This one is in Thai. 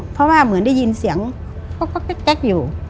เพราะว่าเหมือนได้ยินเสียงก๊อกแก๊กอยู่